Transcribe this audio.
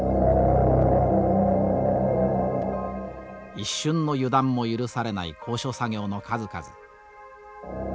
一瞬の油断も許されない高所作業の数々。